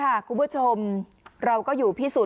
หญิงบอกว่าจะเป็นพี่ปวกหญิงบอกว่าจะเป็นพี่ปวก